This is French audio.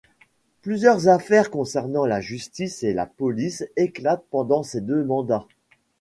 Plusieurs affaires concernant la justice et la police éclatent pendant ses deux mandats.